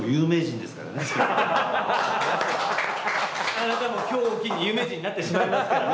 あなたも今日を機に有名人になってしまいますからね。